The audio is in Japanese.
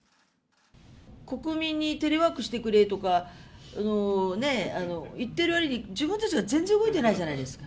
国民にテレワークしてくれとか、言ってるわりに、自分たちは全然動いてないじゃないですか。